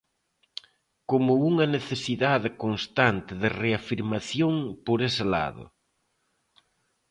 Como unha necesidade constante de reafirmación por ese lado.